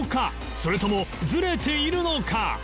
それともズレているのか？